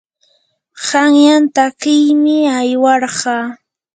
qanyan takiymi aywarqaa.